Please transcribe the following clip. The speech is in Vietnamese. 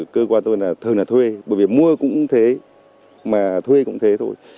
cơ quan tôi là thường là thuê bởi vì mua cũng thế mà thuê cũng thế thôi